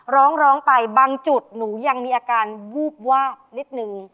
ร้องร้องไปบางจุดหนูยังมีอาการวูบวาบนิดนึง